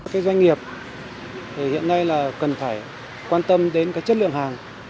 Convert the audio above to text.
cái doanh nghiệp thì hiện nay là cần phải quan tâm đến cái chất lượng hàng